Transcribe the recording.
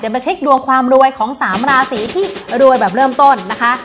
จะมาเช็คดวงความรวยของ๓นะครับสิทธิ์ที่รวยแบบเริ่มต้นนะคะ